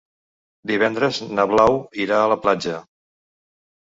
Divendres na Blau irà a la platja.